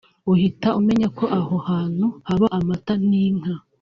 uhita umenya ko aho hantu haba amata n’inka